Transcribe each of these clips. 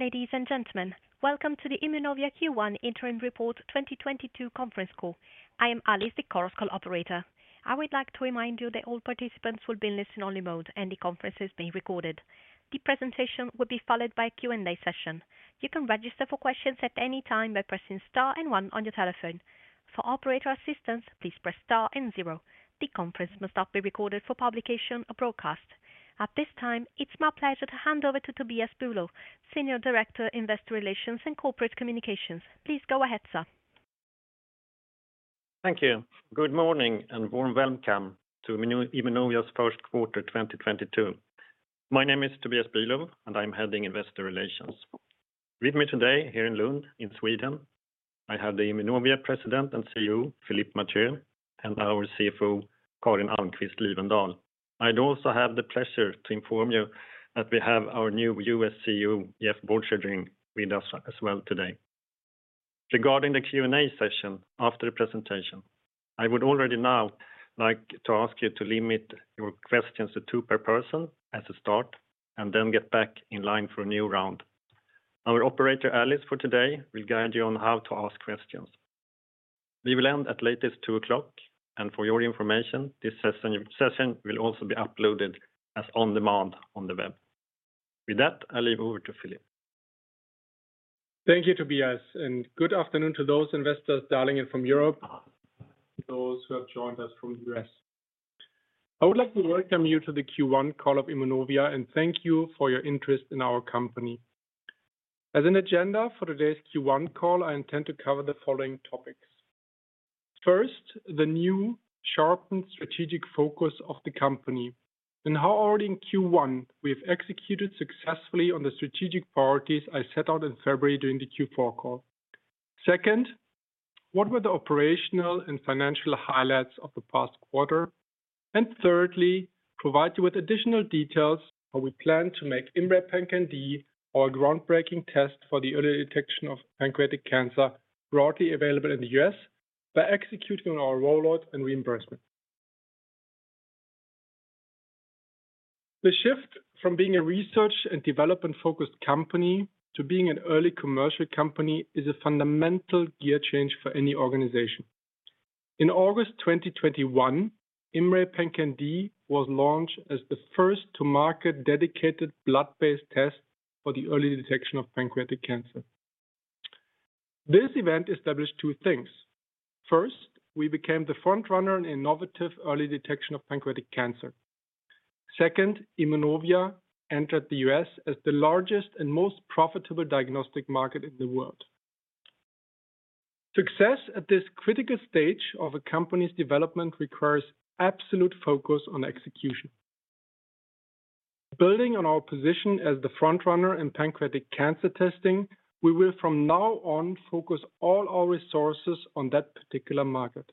Ladies and gentlemen, welcome to the Immunovia Q1 Interim Report 2022 conference call. I am Alice, the Chorus Call operator. I would like to remind you that all participants will be in listen-only mode, and the conference is being recorded. The presentation will be followed by a Q&A session. You can register for questions at any time by pressing star and one on your telephone. For operator assistance, please press star and zero. The conference must not be recorded for publication or broadcast. At this time, it's my pleasure to hand over to Tobias Bülow, Senior Director, Investor Relations and Corporate Communications. Please go ahead, sir. Thank you. Good morning and warm welcome to Immunovia's first quarter 2022. My name is Tobias Bülow, and I'm heading Investor Relations. With me today here in Lund, in Sweden, I have the Immunovia President and CEO, Philipp Mathieu, and our CFO, Karin Almqvist Liwendahl. I would also have the pleasure to inform you that we have our new U.S. CEO, Jeff Borcherding, with us as well today. Regarding the Q&A session after the presentation, I would already now like to ask you to limit your questions to two per person at the start, and then get back in line for a new round. Our operator, Alice, for today will guide you on how to ask questions. We will end at latest 2:00 P.M. For your information, this session will also be uploaded as on-demand on the web. With that, I leave over to Philipp. Thank you, Tobias, and good afternoon to those investors dialing in from Europe, those who have joined us from U.S. I would like to welcome you to the Q1 call of Immunovia and thank you for your interest in our company. As an agenda for today's Q1 call, I intend to cover the following topics. First, the new sharpened strategic focus of the company and how already in Q1 we have executed successfully on the strategic priorities I set out in February during the Q4 call. Second, what were the operational and financial highlights of the past quarter? Thirdly, provide you with additional details how we plan to make IMMray PanCan-d, our groundbreaking test for the early detection of pancreatic cancer, broadly available in the U.S. by executing on our rollout and reimbursement. The shift from being a research and development-focused company to being an early commercial company is a fundamental gear change for any organization. In August 2021, IMMray PanCan-d was launched as the first to market dedicated blood-based test for the early detection of pancreatic cancer. This event established two things. First, we became the front runner in innovative early detection of pancreatic cancer. Second, Immunovia entered the U.S. as the largest and most profitable diagnostic market in the world. Success at this critical stage of a company's development requires absolute focus on execution. Building on our position as the front runner in pancreatic cancer testing, we will from now on focus all our resources on that particular market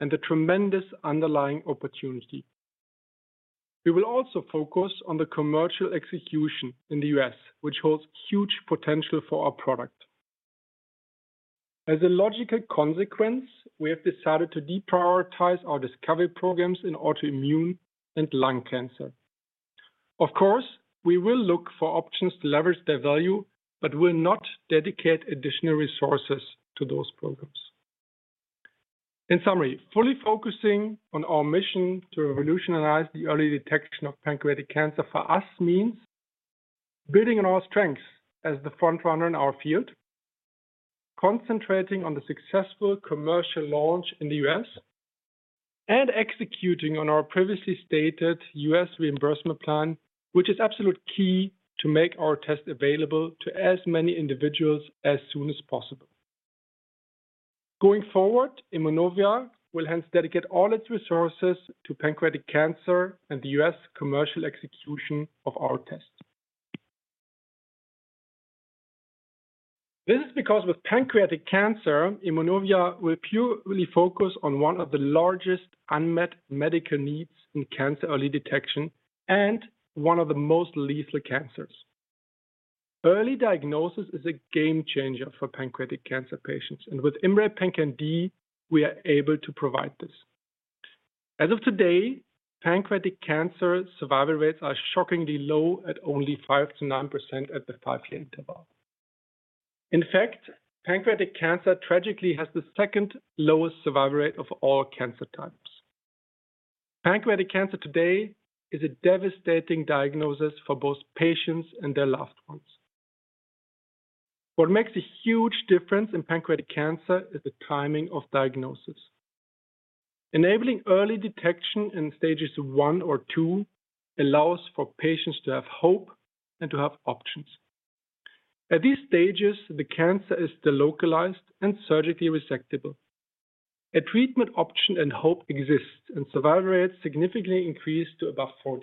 and the tremendous underlying opportunity. We will also focus on the commercial execution in the U.S., which holds huge potential for our product. As a logical consequence, we have decided to deprioritize our discovery programs in autoimmune and lung cancer. Of course, we will look for options to leverage their value, but will not dedicate additional resources to those programs. In summary, fully focusing on our mission to revolutionize the early detection of pancreatic cancer for us means building on our strengths as the front runner in our field, concentrating on the successful commercial launch in the U.S., and executing on our previously stated U.S. reimbursement plan, which is absolute key to make our test available to as many individuals as soon as possible. Going forward, Immunovia will hence dedicate all its resources to pancreatic cancer and the U.S. commercial execution of our test. This is because with pancreatic cancer, Immunovia will purely focus on one of the largest unmet medical needs in cancer early detection and one of the most lethal cancers. Early diagnosis is a game changer for pancreatic cancer patients, and with IMMray PanCan-d, we are able to provide this. As of today, pancreatic cancer survival rates are shockingly low at only 5%-9% at the five-year interval. In fact, pancreatic cancer tragically has the second lowest survival rate of all cancer types. Pancreatic cancer today is a devastating diagnosis for both patients and their loved ones. What makes a huge difference in pancreatic cancer is the timing of diagnosis. Enabling early detection in stages one or two allows for patients to have hope and to have options. At these stages, the cancer is still localized and surgically resectable. A treatment option and hope exists, and survival rates significantly increase to above 40%.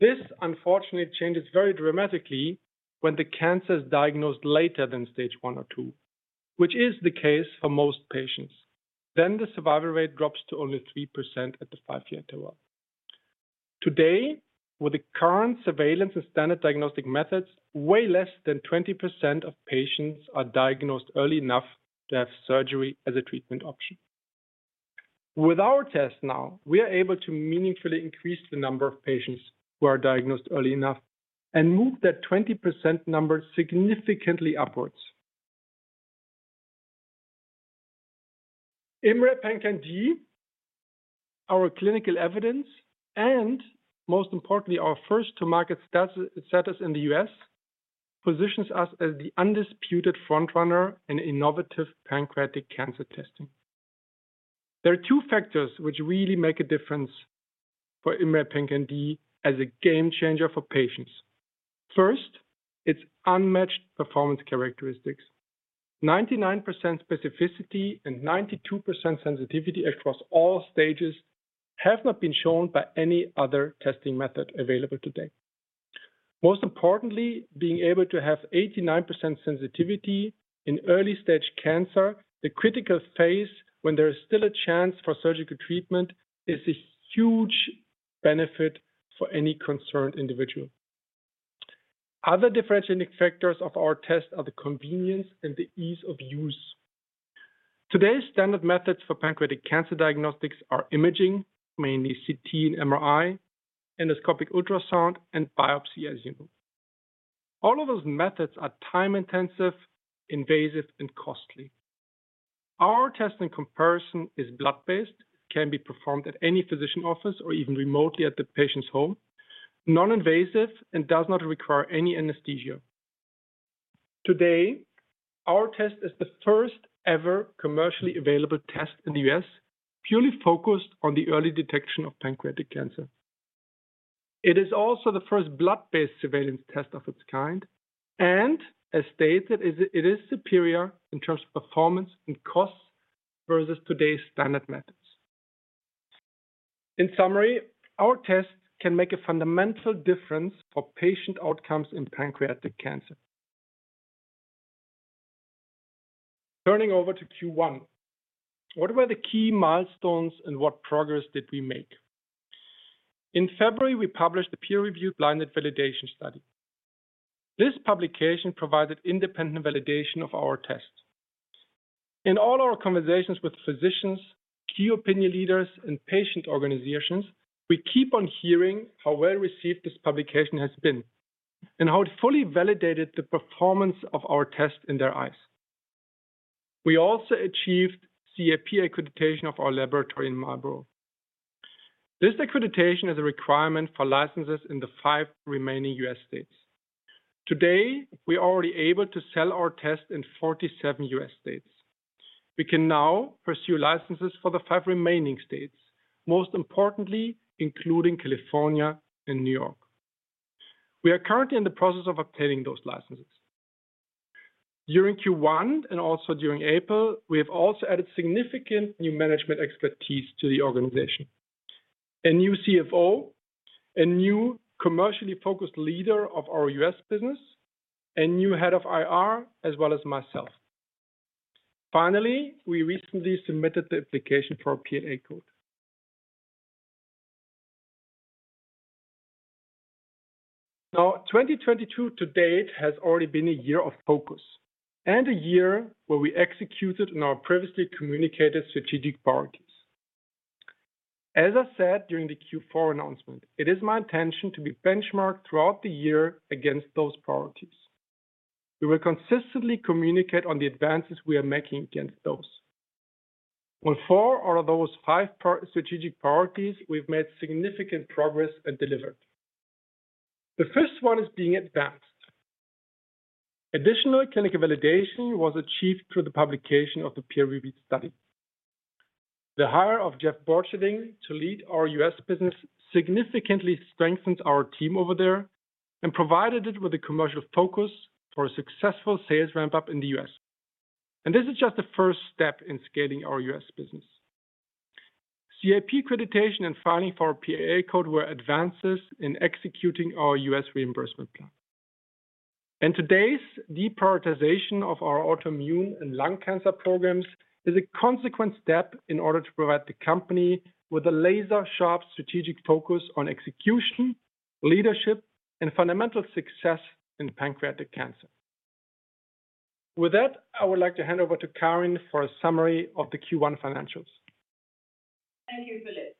This unfortunately changes very dramatically when the cancer is diagnosed later than stage one or two, which is the case for most patients. The survival rate drops to only 3% at the five-year interval. Today, with the current surveillance and standard diagnostic methods, way less than 20% of patients are diagnosed early enough to have surgery as a treatment option. With our test now, we are able to meaningfully increase the number of patients who are diagnosed early enough and move that 20% number significantly upwards. IMMray PanCan-d, our clinical evidence, and most importantly, our first-to-market status in the U.S., positions us as the undisputed front-runner in innovative pancreatic cancer testing. There are two factors which really make a difference for IMMray PanCan-d as a game changer for patients. First, its unmatched performance characteristics. 99% specificity and 92% sensitivity across all stages have not been shown by any other testing method available today. Most importantly, being able to have 89% sensitivity in early-stage cancer, the critical phase when there is still a chance for surgical treatment, is a huge benefit for any concerned individual. Other differentiating factors of our test are the convenience and the ease of use. Today's standard methods for pancreatic cancer diagnostics are imaging, mainly CT and MRI, endoscopic ultrasound, and biopsy, as you know. All of those methods are time-intensive, invasive, and costly. Our test, in comparison, is blood-based, can be performed at any physician office or even remotely at the patient's home, non-invasive, and does not require any anesthesia. Today, our test is the first ever commercially available test in the U.S. purely focused on the early detection of pancreatic cancer. It is also the first blood-based surveillance test of its kind, and as stated, it is superior in terms of performance and cost versus today's standard methods. In summary, our test can make a fundamental difference for patient outcomes in pancreatic cancer. Turning over to Q1, what were the key milestones and what progress did we make? In February, we published the peer-reviewed blinded validation study. This publication provided independent validation of our test. In all our conversations with physicians, key opinion leaders, and patient organizations, we keep on hearing how well-received this publication has been and how it fully validated the performance of our test in their eyes. We also achieved CAP accreditation of our laboratory in Marlborough. This accreditation is a requirement for licenses in the five remaining U.S. states. Today, we are already able to sell our test in 47 U.S. states. We can now pursue licenses for the five remaining states, most importantly, including California and New York. We are currently in the process of obtaining those licenses. During Q1 and also during April, we have also added significant new management expertise to the organization. A new CFO, a new commercially focused leader of our U.S. business, a new head of IR, as well as myself. Finally, we recently submitted the application for a PLA code. Now, 2022 to date has already been a year of focus and a year where we executed on our previously communicated strategic priorities. As I said during the Q4 announcement, it is my intention to be benchmarked throughout the year against those priorities. We will consistently communicate on the advances we are making against those. On four out of those five strategic priorities, we've made significant progress and delivered. The first one is being advanced. Additional clinical validation was achieved through the publication of the peer-reviewed study. The hire of Jeff Borcherding to lead our U.S. business significantly strengthened our team over there and provided it with a commercial focus for a successful sales ramp-up in the U.S. This is just the first step in scaling our U.S. business. CAP accreditation and filing for our PAA code were advances in executing our U.S. reimbursement plan. Today's deprioritization of our autoimmune and lung cancer programs is a consequent step in order to provide the company with a laser-sharp strategic focus on execution, leadership, and fundamental success in pancreatic cancer. With that, I would like to hand over to Karin for a summary of the Q1 financials. Thank you, Philipp.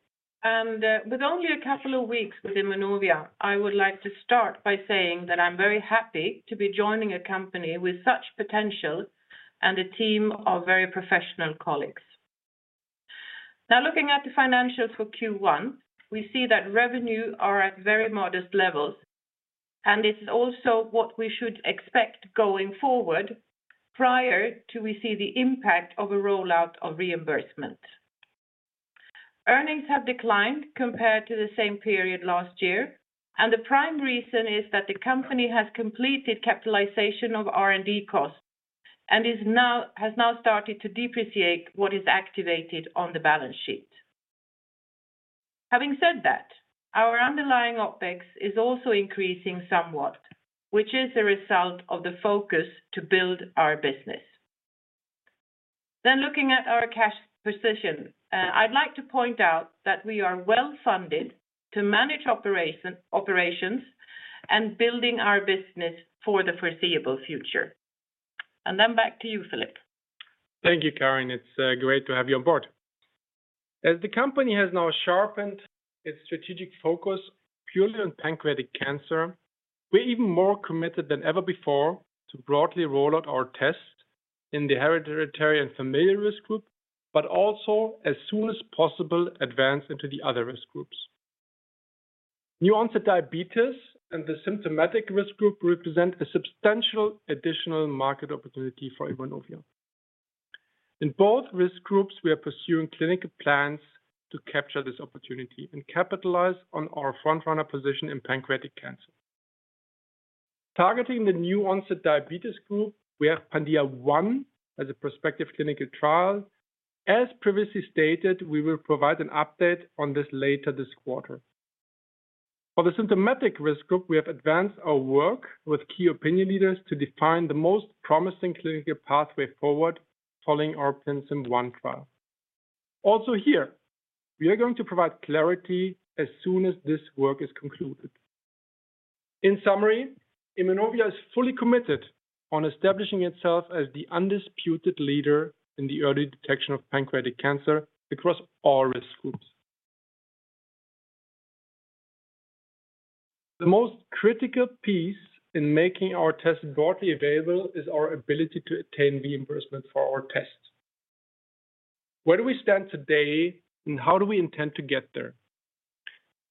With only a couple of weeks within Immunovia, I would like to start by saying that I'm very happy to be joining a company with such potential and a team of very professional colleagues. Now looking at the financials for Q1, we see that revenue are at very modest levels, and it's also what we should expect going forward prior to we see the impact of a rollout of reimbursement. Earnings have declined compared to the same period last year, and the prime reason is that the company has completed capitalization of R&D costs and has now started to depreciate what is activated on the balance sheet. Having said that, our underlying OpEx is also increasing somewhat, which is a result of the focus to build our business. Looking at our cash position, I'd like to point out that we are well-funded to manage operations and building our business for the foreseeable future. Back to you, Philipp. Thank you, Karin. It's great to have you on board. As the company has now sharpened its strategic focus purely on pancreatic cancer, we're even more committed than ever before to broadly roll out our tests in the hereditary and familial risk group, but also as soon as possible, advance into the other risk groups. New onset diabetes and the symptomatic risk group represent a substantial additional market opportunity for Immunovia. In both risk groups, we are pursuing clinical plans to capture this opportunity and capitalize on our front-runner position in pancreatic cancer. Targeting the new onset diabetes group, we have PanDIA-I as a prospective clinical trial. As previously stated, we will provide an update on this later this quarter. For the symptomatic risk group, we have advanced our work with key opinion leaders to define the most promising clinical pathway forward following our Panzem-I trial. Also here, we are going to provide clarity as soon as this work is concluded. In summary, Immunovia is fully committed on establishing itself as the undisputed leader in the early detection of pancreatic cancer across all risk groups. The most critical piece in making our test broadly available is our ability to attain reimbursement for our test. Where do we stand today, and how do we intend to get there?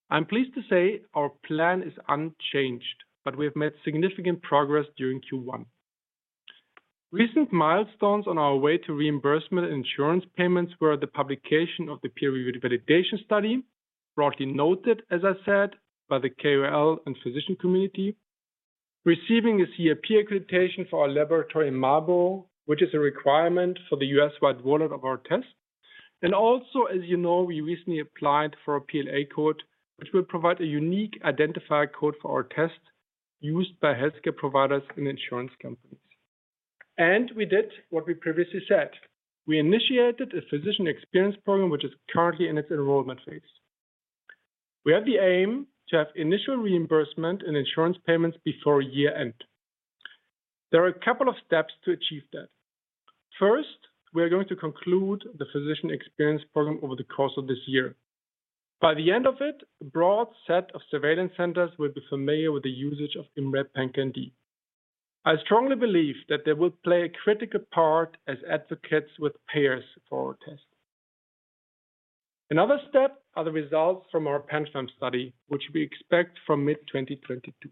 I'm pleased to say our plan is unchanged, but we have made significant progress during Q1. Recent milestones on our way to reimbursement insurance payments were the publication of the peer review validation study, broadly noted, as I said, by the KOL and physician community, receiving a CAP accreditation for our laboratory in Marlborough, which is a requirement for the U.S.-wide rollout of our test. Also, as you know, we recently applied for a PLA code, which will provide a unique identifier code for our test used by healthcare providers and insurance companies. We did what we previously said. We initiated a physician experience program which is currently in its enrollment phase. We have the aim to have initial reimbursement and insurance payments before year-end. There are a couple of steps to achieve that. First, we are going to conclude the physician experience program over the course of this year. By the end of it, a broad set of surveillance centers will be familiar with the usage of IMMray PanCan-d. I strongly believe that they will play a critical part as advocates with payers for our test. Another step are the results from our Panzem study, which we expect from mid-2022.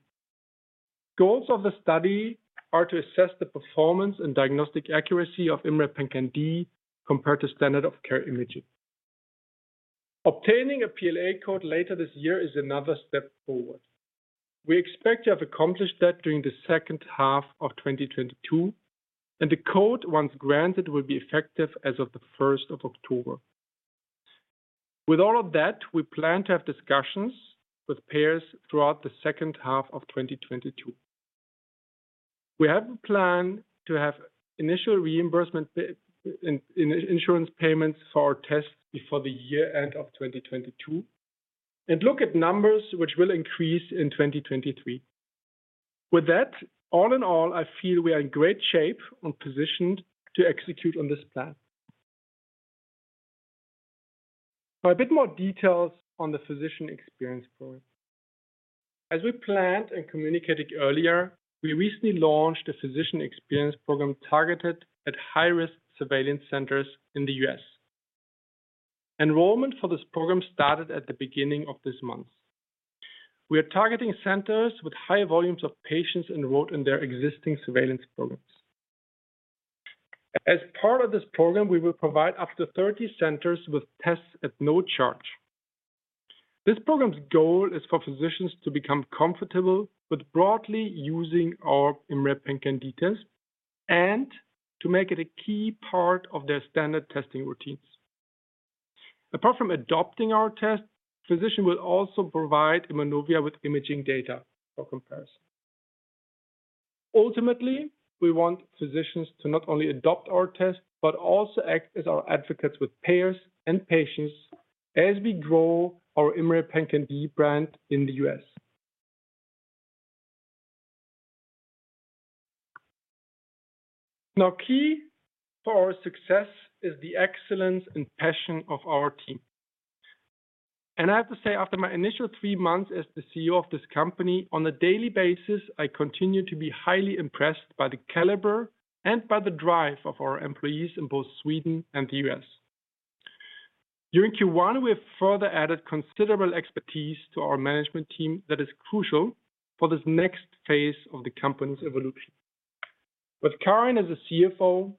Goals of the study are to assess the performance and diagnostic accuracy of IMMray PanCan-d compared to standard of care imaging. Obtaining a PLA code later this year is another step forward. We expect to have accomplished that during the second half of 2022, and the code, once granted, will be effective as of October 1st. With all of that, we plan to have discussions with payers throughout the second half of 2022. We have a plan to have initial reimbursement in insurance payments for our test before the year-end of 2022, and look at numbers which will increase in 2023. With that, all in all, I feel we are in great shape and positioned to execute on this plan. A bit more details on the physician experience program. As we planned and communicated earlier, we recently launched a physician experience program targeted at high-risk surveillance centers in the U.S. Enrollment for this program started at the beginning of this month. We are targeting centers with high volumes of patients enrolled in their existing surveillance programs. As part of this program, we will provide up to 30 centers with tests at no charge. This program's goal is for physicians to become comfortable with broadly using our IMMray PanCan-d test and to make it a key part of their standard testing routines. Apart from adopting our test, physician will also provide Immunovia with imaging data for comparison. Ultimately, we want physicians to not only adopt our test, but also act as our advocates with payers and patients as we grow our IMMray PanCan-d brand in the U.S. Now, key for our success is the excellence and passion of our team. I have to say, after my initial three months as the CEO of this company, on a daily basis, I continue to be highly impressed by the caliber and by the drive of our employees in both Sweden and the U.S. During Q1, we have further added considerable expertise to our management team that is crucial for this next phase of the company's evolution. With Karin as the CFO,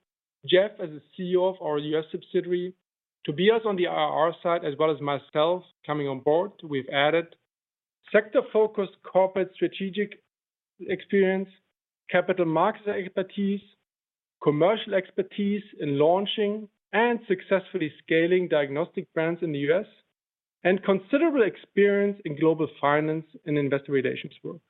Jeff as the CEO of our U.S. subsidiary, Tobias on the IR side, as well as myself coming on board, we've added sector-focused corporate strategic experience, capital market expertise, commercial expertise in launching and successfully scaling diagnostic brands in the U.S., and considerable experience in global finance and investor relations work.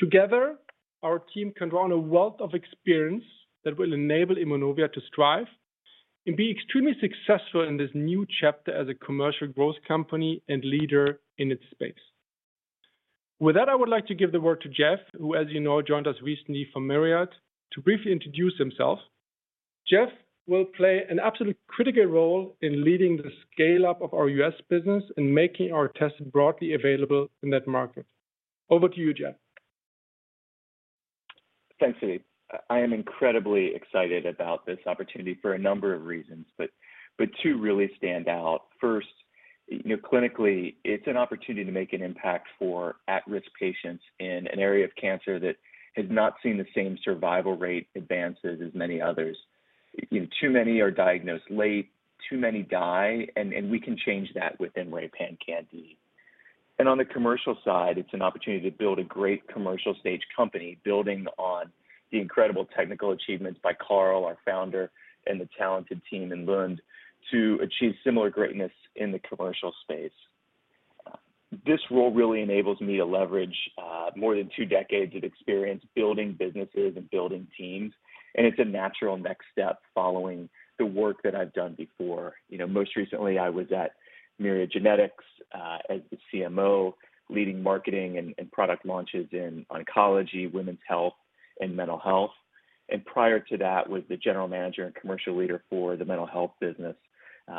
Together, our team can draw on a wealth of experience that will enable Immunovia to strive and be extremely successful in this new chapter as a commercial growth company and leader in its space. With that, I would like to give the word to Jeff, who, as you know, joined us recently from Myriad to briefly introduce himself. Jeff will play an absolutely critical role in leading the scale-up of our U.S. business and making our tests broadly available in that market. Over to you, Jeff. Thanks, Philipp. I am incredibly excited about this opportunity for a number of reasons, but two really stand out. First, you know clinically, it's an opportunity to make an impact for at-risk patients in an area of cancer that has not seen the same survival rate advances as many others. You know, too many are diagnosed late, too many die, and we can change that with IMMray PanCan-d. On the commercial side, it's an opportunity to build a great commercial stage company building on the incredible technical achievements by Carl, our founder, and the talented team in Lund to achieve similar greatness in the commercial space. This role really enables me to leverage more than two decades of experience building businesses and building teams, and it's a natural next step following the work that I've done before. You know, most recently I was at Myriad Genetics as the CMO, leading marketing and product launches in oncology, women's health and mental health. Prior to that was the general manager and commercial leader for the mental health business.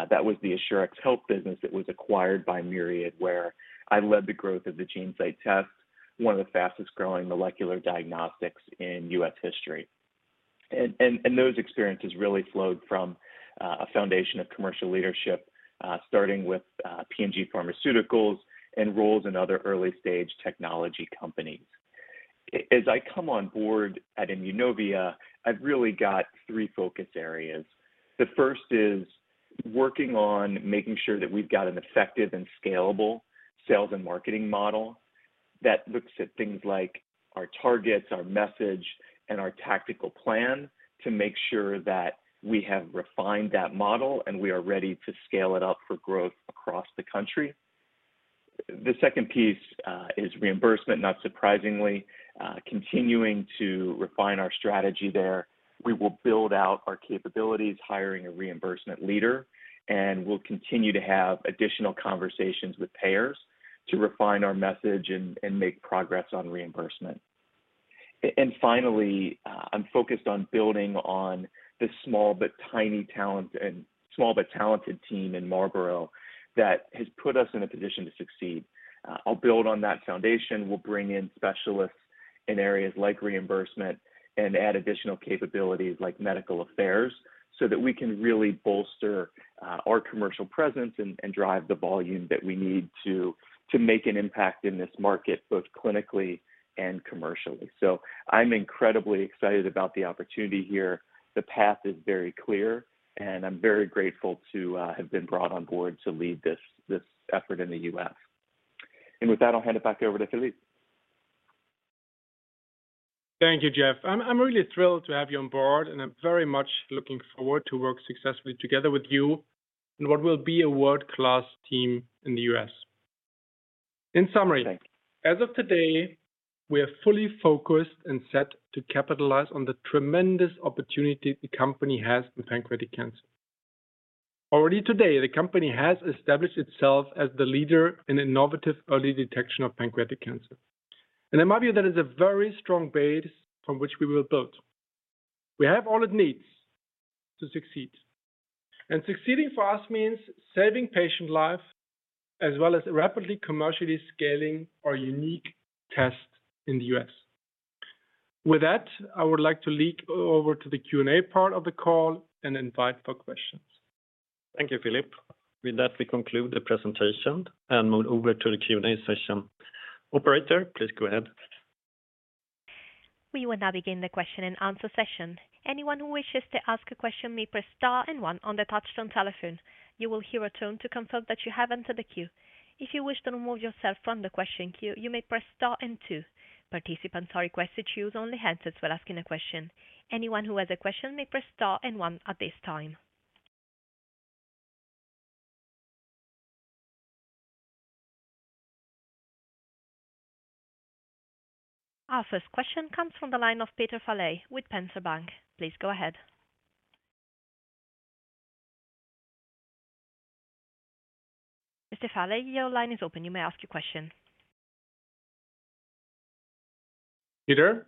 That was the Assurex Health business that was acquired by Myriad, where I led the growth of the GeneSight test, one of the fastest-growing molecular diagnostics in U.S. history. Those experiences really flowed from a foundation of commercial leadership, starting with P&G Pharmaceuticals and roles in other early-stage technology companies. As I come on board at Immunovia, I've really got three focus areas. The first is working on making sure that we've got an effective and scalable sales and marketing model that looks at things like our targets, our message, and our tactical plan to make sure that we have refined that model and we are ready to scale it up for growth across the country. The second piece is reimbursement, not surprisingly. Continuing to refine our strategy there. We will build out our capabilities, hiring a reimbursement leader, and we'll continue to have additional conversations with payers to refine our message and make progress on reimbursement. Finally, I'm focused on building on this small but tiny talent and small but talented team in Marlborough that has put us in a position to succeed. I'll build on that foundation. We'll bring in specialists in areas like reimbursement and add additional capabilities like medical affairs, so that we can really bolster our commercial presence and drive the volume that we need to make an impact in this market, both clinically and commercially. I'm incredibly excited about the opportunity here. The path is very clear, and I'm very grateful to have been brought on board to lead this effort in the U.S. With that, I'll hand it back over to Philipp. Thank you, Jeff. I'm really thrilled to have you on board, and I'm very much looking forward to work successfully together with you in what will be a world-class team in the U.S. In summary, as of today, we are fully focused and set to capitalize on the tremendous opportunity the company has with pancreatic cancer. Already today, the company has established itself as the leader in innovative early detection of pancreatic cancer. In my view, that is a very strong base from which we will build. We have all it needs to succeed, and succeeding for us means saving patient life as well as rapidly commercially scaling our unique test in the U.S. With that, I would like to lead over to the Q&A part of the call and invite for questions. Thank you, Philipp. With that, we conclude the presentation and move over to the Q&A session. Operator, please go ahead. We will now begin the question and answer session. Anyone who wishes to ask a question may press star and one on the touch tone telephone. You will hear a tone to confirm that you have entered the queue. If you wish to remove yourself from the question queue, you may press star and two. Participants are requested to use only handsets when asking a question. Anyone who has a question may press star and one at this time. Our first question comes from the line of Peter Sellei with Erik Penser Bank. Please go ahead. Mr. Sellei, your line is open. You may ask your question. Peter?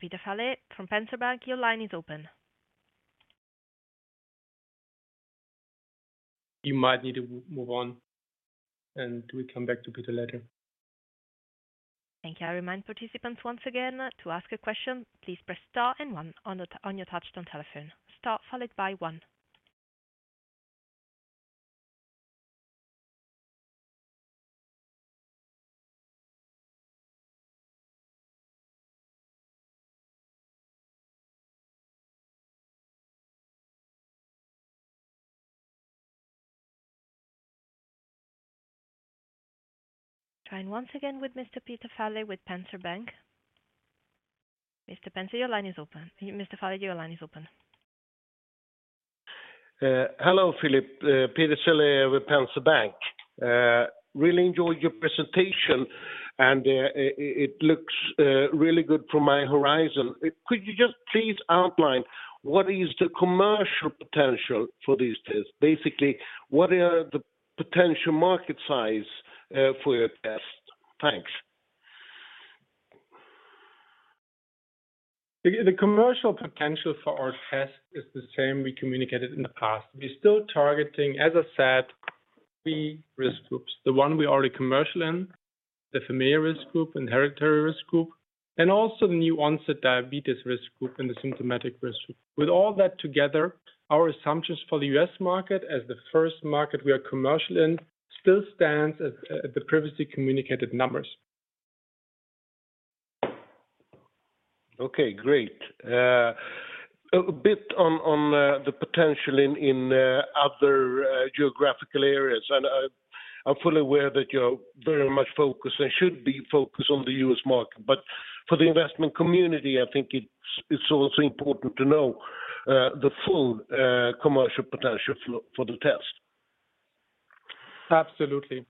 Peter Sellei from Erik Penser Bank, your line is open. You might need to move on, and we come back to Peter later. Thank you. I remind participants once again to ask a question, please press star and one on your touch tone telephone. Star followed by one. Trying once again with Mr. Peter Sellei with Erik Penser Bank. Mr. Sellei, your line is open. Mr. Sellei, your line is open. Hello, Philipp. Peter Sellei with Erik Penser Bank. Really enjoyed your presentation, and it looks really good from my horizon. Could you just please outline what is the commercial potential for these tests? Basically, what are the potential market size for your test? Thanks. The commercial potential for our test is the same we communicated in the past. We're still targeting, as I said, three risk groups. The one we're already commercial in, the familial risk group, inherited risk group, and also the new onset diabetes risk group and the symptomatic risk group. With all that together, our assumptions for the U.S. market as the first market we are commercial in still stands at the previously communicated numbers. Okay, great. A bit on the potential in other geographical areas. I'm fully aware that you're very much focused, and should be focused on the U.S. market. For the investment community, I think it's also important to know the full commercial potential for the test. Absolutely.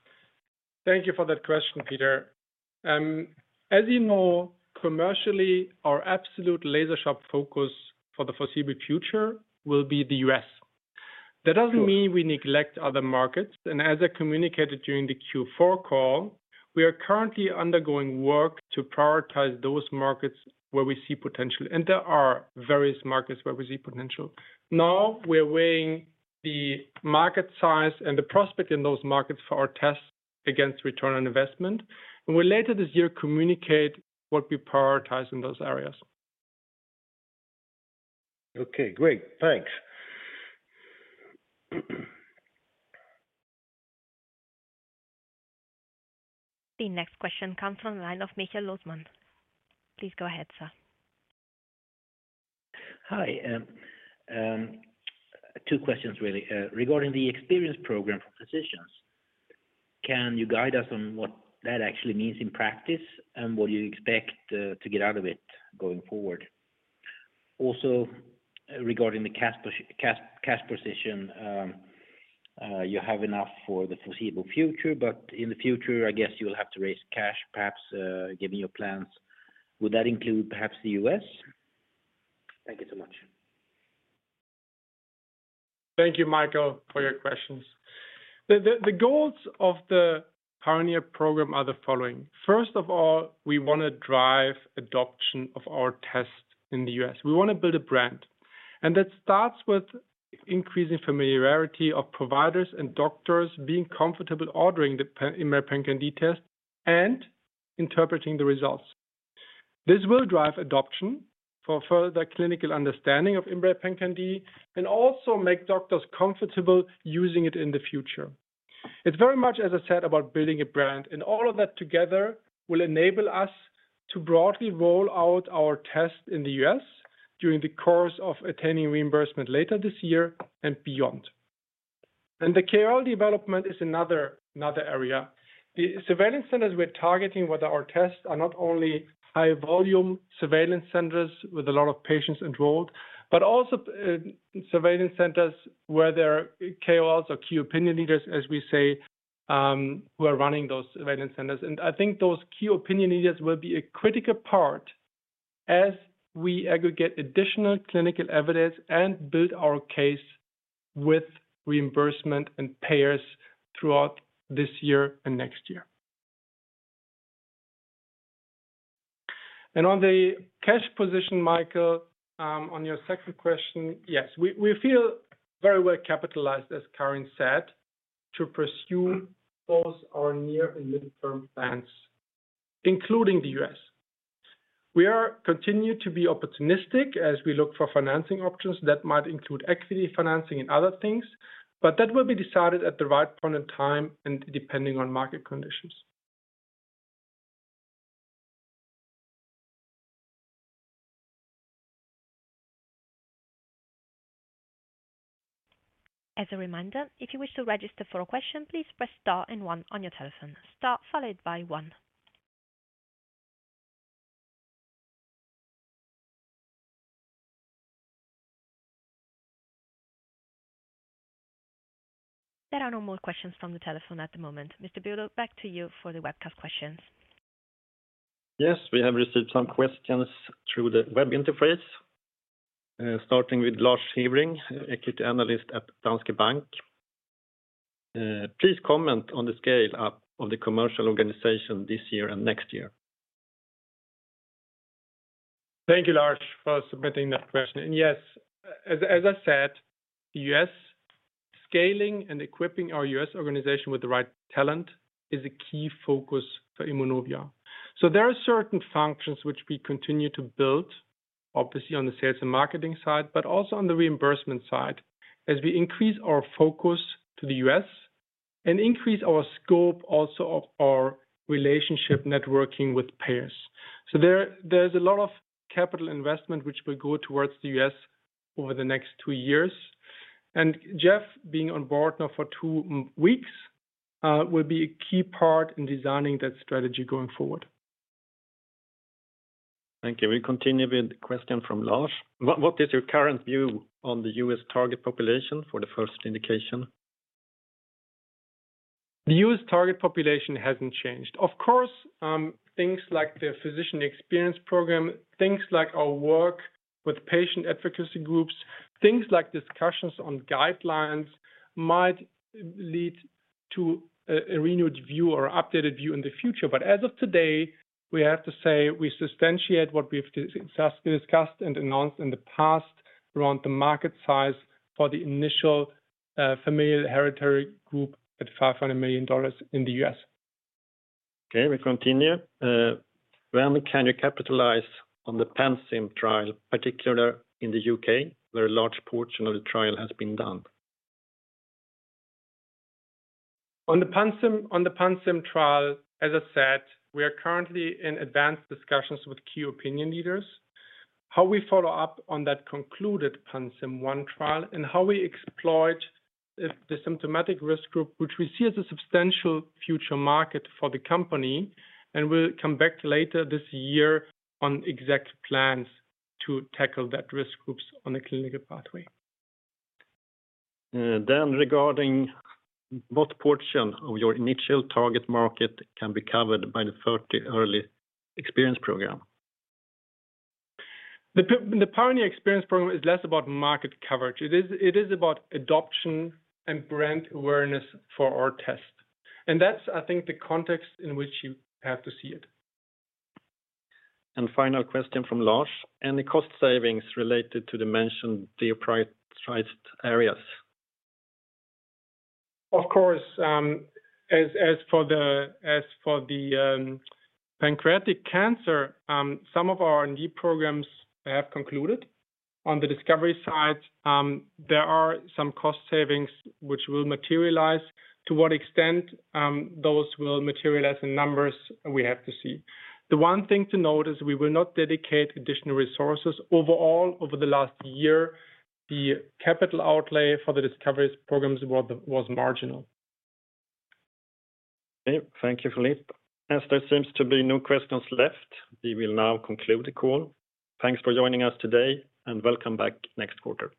Thank you for that question, Peter. As you know, commercially, our absolute laser sharp focus for the foreseeable future will be the U.S. That doesn't mean we neglect other markets, and as I communicated during the Q4 call, we are currently undergoing work to prioritize those markets where we see potential. There are various markets where we see potential. Now we're weighing the market size and the prospect in those markets for our tests against return on investment, and we'll later this year communicate what we prioritize in those areas. Okay, great. Thanks. The next question comes from the line of Michael Löfman. Please go ahead, sir. Hi. Two questions really. Regarding the experience program for physicians, can you guide us on what that actually means in practice and what you expect to get out of it going forward? Also, regarding the cash position, you have enough for the foreseeable future, but in the future, I guess you'll have to raise cash, perhaps, given your plans. Would that include perhaps the U.S.? Thank you so much. Thank you, Michael, for your questions. The goals of the pioneer program are the following. First of all, we wanna drive adoption of our test in the U.S. We wanna build a brand. That starts with increasing familiarity of providers and doctors being comfortable ordering the IMMray PanCan-d test and interpreting the results. This will drive adoption for further clinical understanding of IMMray PanCan-d and also make doctors comfortable using it in the future. It's very much, as I said, about building a brand, and all of that together will enable us to broadly roll out our test in the U.S. during the course of attaining reimbursement later this year and beyond. The KOL development is another area. The surveillance centers we're targeting with our tests are not only high volume surveillance centers with a lot of patients enrolled, but also surveillance centers where there are KOLs or key opinion leaders, as we say, who are running those surveillance centers. I think those key opinion leaders will be a critical part as we aggregate additional clinical evidence and build our case with reimbursement and payers throughout this year and next year. On the cash position, Michael, on your second question, yes. We feel very well capitalized, as Karin said, to pursue both our near and mid-term plans, including the U.S. We continue to be opportunistic as we look for financing options that might include equity financing and other things, but that will be decided at the right point in time and depending on market conditions. As a reminder, if you wish to register for a question, please press star and one on your telephone. Star followed by one. There are no more questions from the telephone at the moment. Mr. Bülow, back to you for the webcast questions. Yes. We have received some questions through the web interface. Starting with Lars Hevreng, Equity Analyst at Danske Bank. Please comment on the scale-up of the commercial organization this year and next year. Thank you, Lars, for submitting that question. Yes, as I said, U.S. scaling and equipping our U.S. organization with the right talent is a key focus for Immunovia. There are certain functions which we continue to build, obviously on the sales and marketing side, but also on the reimbursement side as we increase our focus to the U.S. and increase our scope also of our relationship networking with payers. There, there's a lot of capital investment which will go towards the U.S. over the next two years. Jeff being on board now for two months will be a key part in designing that strategy going forward. Thank you. We continue with the question from Lars. What is your current view on the U.S. target population for the first indication? The U.S. target population hasn't changed. Of course, things like the physician experience program, things like our work with patient advocacy groups, things like discussions on guidelines might lead to a renewed view or updated view in the future. As of today, we have to say we substantiate what we've discussed and announced in the past around the market size for the initial familial hereditary group at $500 million in the U.S. Okay, we continue. When can you capitalize on the Panzem trial, particularly in the U.K., where a large portion of the trial has been done? On the Panzem, on the Panzem trial, as I said, we are currently in advanced discussions with key opinion leaders. How we follow up on that concluded Panzem-I trial and how we exploit the symptomatic risk group, which we see as a substantial future market for the company, and we'll come back later this year on exact plans to tackle that risk groups on a clinical pathway. Regarding what portion of your initial target market can be covered by the 30 early experience program? The pioneer experience program is less about market coverage. It is about adoption and brand awareness for our test. That's, I think, the context in which you have to see it. Final question from Lars. Any cost savings related to the mentioned deprioritized areas? Of course, as for the pancreatic cancer, some of our R&D programs have concluded. On the discovery side, there are some cost savings which will materialize. To what extent those will materialize in numbers, we have to see. The one thing to note is we will not dedicate additional resources. Overall, over the last year, the capital outlay for the discovery programs was marginal. Okay, thank you, Philipp. As there seems to be no questions left, we will now conclude the call. Thanks for joining us today, and welcome back next quarter.